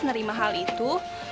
nerima hal itu